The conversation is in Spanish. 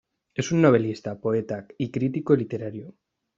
Es un novelista, poeta y crítico literario.